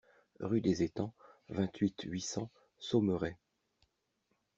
Rue des Etangs, vingt-huit, huit cents Saumeray